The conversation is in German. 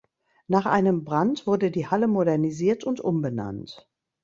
Nach einem Brand wurde die Halle modernisiert und umbenannt.